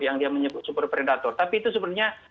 yang dia menyebut super predator tapi itu sebenarnya